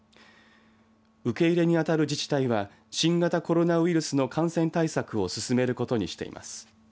受け入れにあたる自治体は新型コロナウイルスの感染対策を進めることにしています。